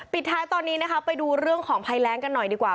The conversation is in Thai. ปิดท้ายตอนนี้นะคะไปดูเรื่องของภัยแรงกันหน่อยดีกว่า